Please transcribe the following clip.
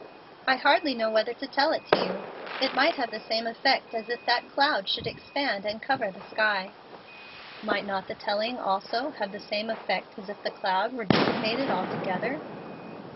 "I hardly know whether to tell it to you. It might have the same effect as if that cloud should expand and cover the sky." "Might not the telling also have the same effect as if the cloud were dissipated altogether?"